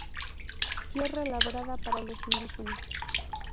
Tierra labrada, para los indígenas.